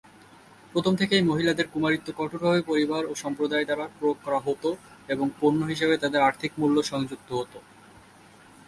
প্রথম থেকেই, মহিলাদের কুমারীত্ব কঠোরভাবে পরিবার ও সম্প্রদায় দ্বারা প্রয়োগ করা হতো এবং পণ্য হিসাবে তাদের আর্থিক মূল্য সংযুক্ত হত।